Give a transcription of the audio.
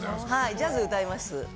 ジャズ、歌います。